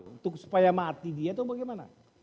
untuk supaya mati dia atau bagaimana